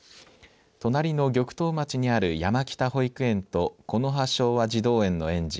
隣の玉東町にある山北保育園と木葉昭和児童園の園児